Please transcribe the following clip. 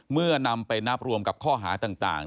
นำไปนับรวมกับข้อหาต่าง